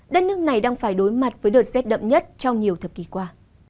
đất nước này đang phải đối mặt với đợt rét đậm nhất trong nhiều thập kỷ qua